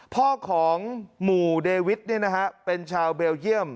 พ่อของหมู่เดวิดเนี่ยนะฮะเป็นชาวเบลเยี่ยม